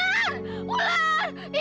ibu tolong bu